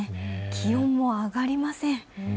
気温も上がりません。